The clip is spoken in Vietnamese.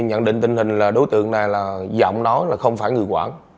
nhận định tình hình là đối tượng này là giọng nói là không phải người quản